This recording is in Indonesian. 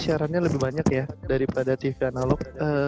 siarannya lebih banyak ya daripada tv analog